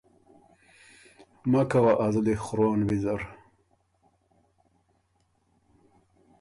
مکه وه ازلی خرون ویزر۔